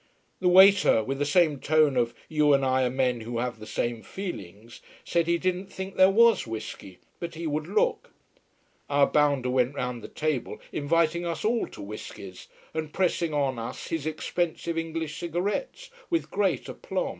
The waiter, with the same tone of you and I are men who have the same feelings, said he didn't think there was whisky, but he would look. Our bounder went round the table inviting us all to whiskies, and pressing on us his expensive English cigarettes with great aplomb.